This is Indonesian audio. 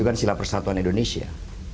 itu kan sila persatuan indonesia